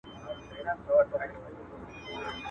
د همسايه پرتوگ چي غلا کې، چيري به ئې واغوندې؟